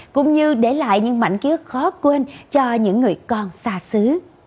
cũng như để lại những mảnh ký ức khó quên cho những người con xa xứ